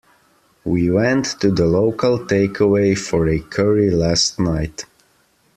We went to the local takeaway for a curry last night